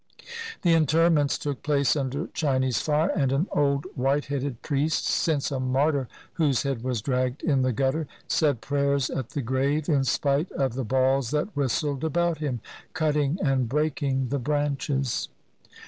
The interments took place under Chinese fire, and an old whiteheaded priest — since a martyr, whose head was dragged in the gutter — said prayers at the grave, in spite of the balls that whistled about him, cutting and breaking the branches.